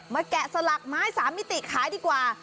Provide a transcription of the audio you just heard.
แกะสลักไม้๓มิติขายดีกว่า